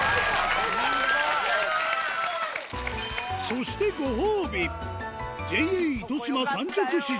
そしてご褒美